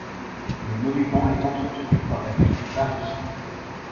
Le monument est entretenu par la ville de Paris.